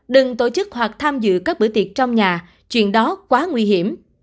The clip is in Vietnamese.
đừng tổ chức hoặc tham dự các bữa tiệc trong nhà chuyện đó quá nguy hiểm